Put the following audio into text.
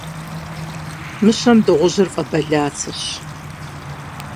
Мыщэм дыгъужьыр фӏэбэлацэщ.